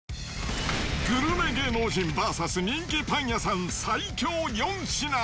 グルメ芸能人ＶＳ人気パン屋さん最強４品。